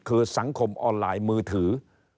คือสังคมออนไลน์มือถือ